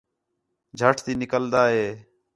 جھٹ تی نِکلدا ہِے